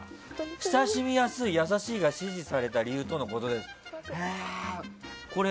親しみやすい、優しいが支持された理由とのことです。